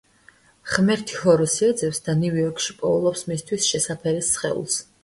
ღმერთი ჰოროსი ეძებს და ნიუ-იორკში პოულობს მისთვის შესაფერის სხეულს.